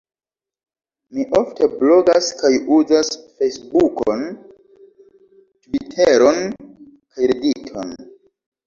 Mi ofte blogas kaj uzas Fejsbukon, Tviteron kaj Rediton.